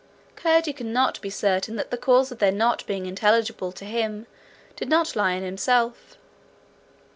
Curdie could not be certain that the cause of their not being intelligible to him did not lie in himself.